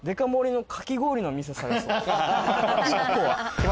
１個は。